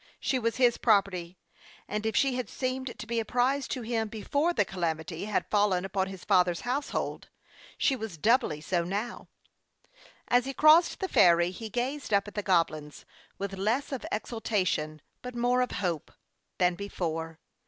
She was his property ; and if she had seemed to be a prize to him before the calamity had fallen upon his father's household, she was doubly so now. As he crossed the ferry, he gazed up at the Goblins, with less of exultation, but more of hope, than before.